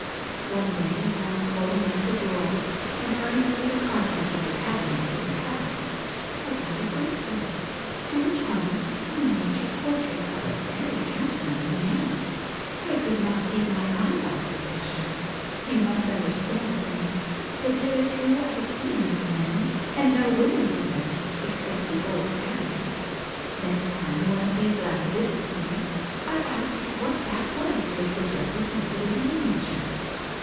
'One day as I was pulling out the drawers, and turning over the contents of the cabinets in the palace, I found a bracelet, to which hung a minia ture portrait of a very handsome young man. 4 1 could not keep my eyes off this picture. You must understand, Prince, that hitherto I had seen no men, and no women even, except the old fairies. Next time one of these latter visited me, I asked what that was which was represented in the miniature.